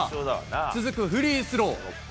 続くフリースロー。